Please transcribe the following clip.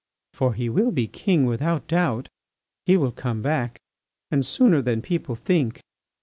For he will be king without doubt. He will come back and sooner than people think.